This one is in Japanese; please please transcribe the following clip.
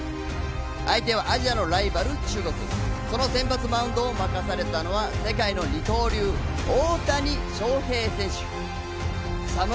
相手はアジアのライバル・中国、その先発マウンドを任されたのはこのシャツくさいよ。